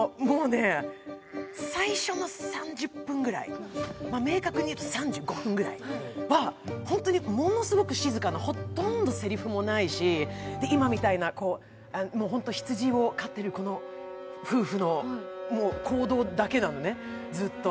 最初の３０分ぐらい、明確に言うと３５分ぐらいは本当にものすごく静かなほとんどせりふもないし今みたいな羊を飼っている夫婦の行動だけなのね、ずっと。